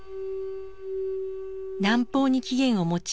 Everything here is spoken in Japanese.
南方に起源を持ち